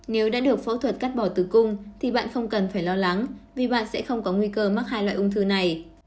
nếu đã được phẫu thuật cắt bỏ tử cung thì bạn không cần phải lo lắng vì bạn sẽ không có nguy cơ mắc hai loại ung thư này